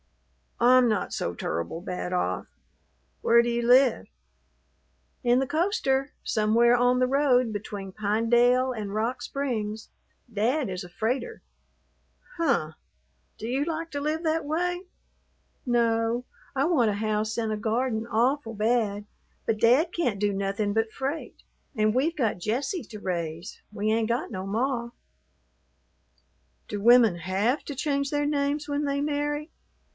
"I'm not so tur'ble bad off. Where do you live?" "In the coaster, somewhere on the road between Pinedale and Rock Springs. Dad is a freighter." "Huh! Do you like to live that way?" "No; I want a house and a garden awful bad, but Dad can't do nothin' but freight and we've got Jessie to raise. We ain't got no ma." "Do women have to change their names when they marry?"